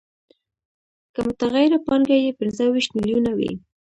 که متغیره پانګه یې پنځه ویشت میلیونه وي